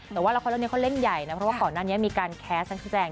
แต่ว่าละครเรื่องนี้เขาเล่นใหญ่นะเพราะว่าก่อนหน้านี้มีการแคสนักแสดง